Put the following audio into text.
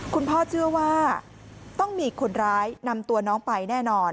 คุณพ่อเชื่อว่าต้องมีคนร้ายนำตัวน้องไปแน่นอน